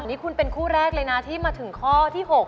นี่คุณเป็นคู่แรกเลยนะที่มาถึงข้อที่๖